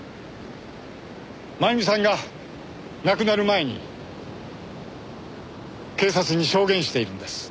真由美さんが亡くなる前に警察に証言しているんです。